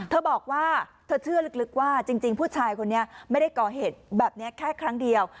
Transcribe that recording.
เธอบอกว่าเธอเชื่อลึกว่าจริงผู้ชายคนนี้ไม่ได้ก่อเหตุแบบนี้แค่ครั้งเดียว